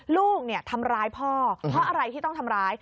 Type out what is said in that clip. ลูกทำร้ายพ่อเพราะอะไรที่ต้องทำร้าย